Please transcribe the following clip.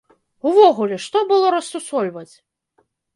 Увогуле, што было рассусольваць?